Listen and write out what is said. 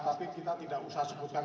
tapi kita tidak usah sebutkan